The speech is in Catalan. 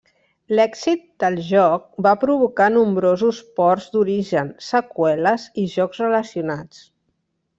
L'èxit del joc va provocar nombrosos ports d'origen, seqüeles i jocs relacionats.